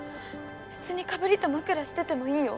別に被りと枕しててもいいよ。